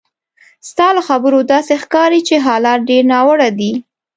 ستا له خبرو داسې ښکاري چې حالات ډېر ناوړه دي.